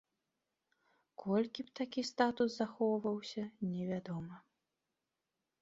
Колькі б такі статус захоўваўся, невядома.